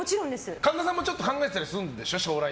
神田さんも考えてたりするんでしょ？